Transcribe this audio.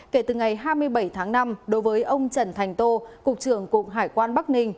kể từ ngày hai mươi bảy tháng năm đối với ông trần thành tô cục trưởng cục hải quan bắc ninh